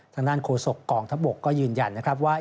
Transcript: ทางด้านโฆษกองทัพบกก็ยืนยันนะครับว่า